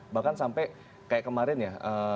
bahkan sampai kayak kemarin ya